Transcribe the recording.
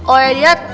oh ya lihat